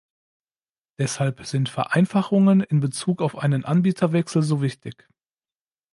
Deshalb sind Vereinfachungen in Bezug auf einen Anbieterwechsel so wichtig.